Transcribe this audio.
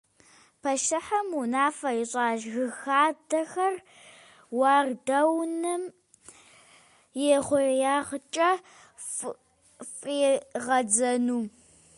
Пащтыхьым унафэ ищӀащ жыг хадэхэр уардэунэм и хъуреягъкӀэ фӀригъэдзэну.